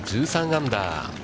１３アンダー。